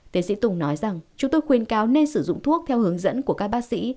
tiến sĩ tùng nói rằng chúng tôi khuyên cáo nên sử dụng thuốc theo hướng dẫn của các bác sĩ